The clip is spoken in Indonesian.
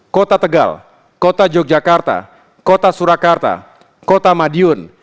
kota tegal kota yogyakarta kota surakarta kota madiun